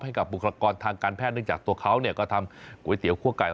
บุคลากรทางการแพทย์เนื่องจากตัวเขาก็ทำก๋วยเตี๋ยคั่วไก่